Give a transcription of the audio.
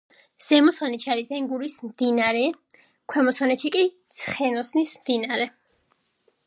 ზემო სვანეთში არის ენგურის მდინარეა. ქვემო სვანეთში კი ცხენოსნის მდინარე.